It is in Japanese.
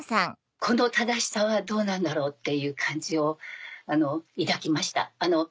この正しさはどうなんだろうっていう感じを抱きました。